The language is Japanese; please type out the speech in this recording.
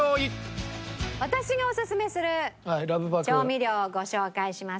私がオススメする調味料をご紹介します。